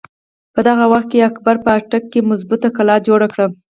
په دغه وخت کښې اکبر په اټک کښې مظبوطه قلا جوړه کړه۔